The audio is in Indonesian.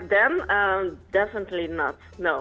tidak pada saat itu